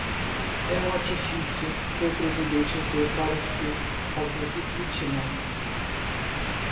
É um artifício que o presidente usou para se fazer de vítima